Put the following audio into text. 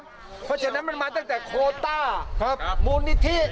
เพราะฉะนั้นมันมาตั้งแต่โคต้ามูลนิธิ